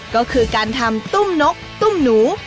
ก็คือการทำตุ้มนกตุ้มหนู